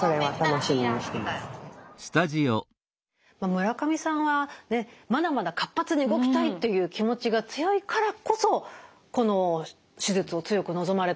村上さんはまだまだ活発に動きたいという気持ちが強いからこそこの手術を強く望まれたんですね。